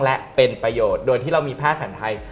และเป็นประโยชน์โดยที่เรามีแพทย์แผนไทย